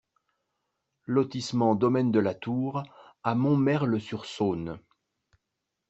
Lotissement Domaine de la Tour à Montmerle-sur-Saône